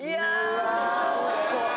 うわおいしそう。